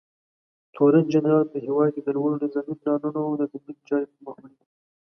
تورنجنرال په هېواد کې د لوړو نظامي پلانونو د تطبیق چارې پرمخ وړي.